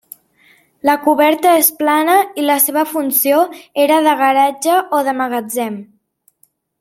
La coberta és plana i la seva funció era de garatge o de magatzem.